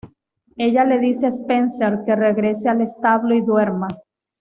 Ella le dice a Spencer que regrese al establo y duerma.